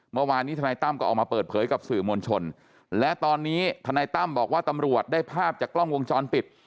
เมื่อวานนี้ทนายตั้มก็ออกมาเปิดเผยกับสื่อมวลชนและตอนนี้ทนายตั้มบอกว่าตำรวจได้ภาพจากกล้องวงจรปิด